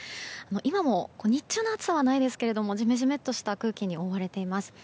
今も日中の暑さはないですけどもジメジメとした空気に覆われています。